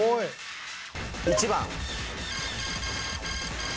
１番。